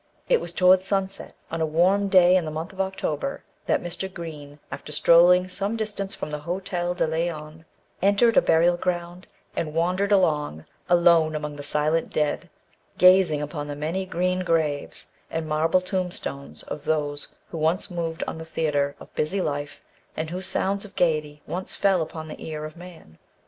It was towards sunset, on a warm day in the month of October, that Mr. Green, after strolling some distance from the Hotel de Leon, entered a burial ground, and wandered along, alone among the silent dead, gazing upon the many green graves and marble tombstones of those who once moved on the theatre of busy life, and whose sounds of gaiety once fell upon the ear of man.